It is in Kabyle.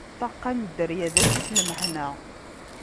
Ṭṭaqqa n dderya, d asif n lmeḥna.